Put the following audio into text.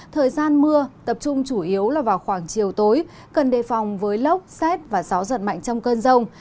thời gian mưa tập trung chủ yếu là vào khoảng chiều tối cần đề phòng với lốc xét và gió giật mạnh trong cơn rông